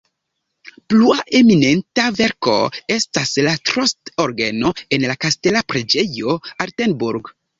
Plua eminenta verko estas la Trost-orgeno en la kastela preĝejo Altenburg.